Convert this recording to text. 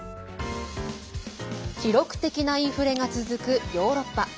記録的なインフレが続くヨーロッパ。